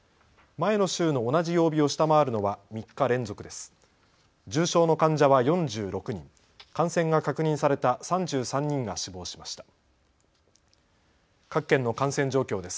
前の週の同じ曜日を下回るのは３日連続です。